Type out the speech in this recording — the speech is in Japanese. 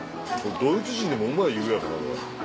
ドイツ人でも「うまい」言うやろなこれ。